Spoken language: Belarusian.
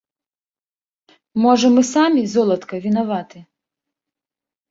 Можа, мы самі, золатка, вінаваты?